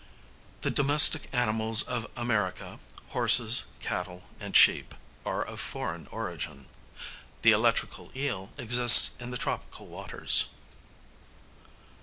The domestic animals of America, horses, cattle, and sheep, are of foreign origin. The electrical eel exists in the tropical waters.